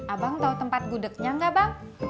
abang tahu tempat gudegnya nggak bang